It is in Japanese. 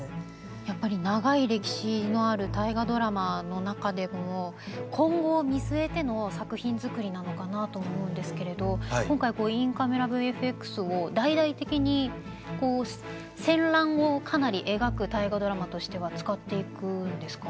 やっぱり長い歴史のある大河ドラマの中でも今後を見据えての作品作りなのかなと思うんですけれど今回インカメラＶＦＸを大々的に戦乱をかなり描く大河ドラマとしては使っていくんですか？